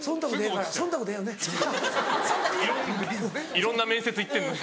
いろんな面接行ってるのに。